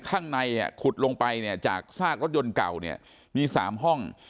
ข้างในขุดลงไปจากซากรถยนต์เก่ามี๓ห้อง